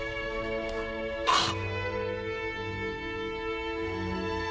あっ。